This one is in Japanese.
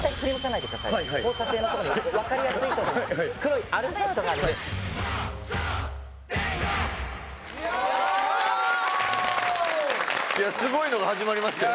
いやすごいのが始まりましたよ。